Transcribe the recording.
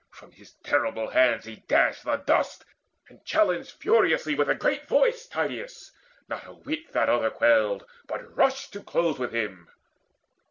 From his terrible hands He dashed the dust, and challenged furiously With a great voice Tydeides: not a whit That other quailed, but rushed to close with him.